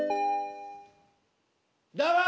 どうも！